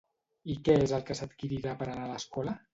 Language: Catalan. I què és el que s'adquirirà per anar a l'escola?